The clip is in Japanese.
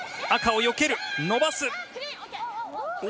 赤をよける、伸ばす。